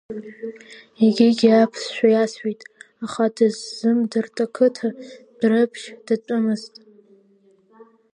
Егьигьы аԥсшәа иасҳәеит, аха дысзымдырт, ақыҭа Дәрыԥшь датәымызт.